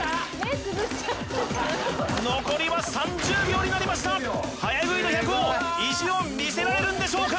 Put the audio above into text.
残りは３０秒になりました早食いの百王意地を見せられるんでしょうか？